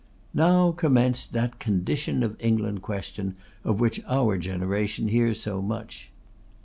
Now commenced that Condition of England Question of which our generation hears so much.